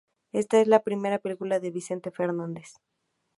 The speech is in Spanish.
Esta es la primera película de Vicente Fernández.